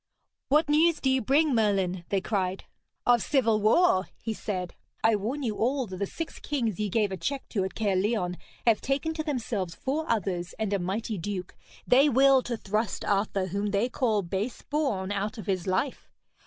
'What news do you bring, Merlin?' they cried. 'Of civil war!' he said. 'I warn you all that the six kings ye gave a check to at Caerleon have taken to themselves four others and a mighty duke. They will to thrust Arthur, whom they call base born, out of his life.